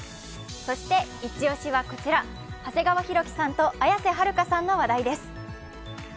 そしてイチ押しはこちら、長谷川博己さんと綾瀬はるかさんが話題です。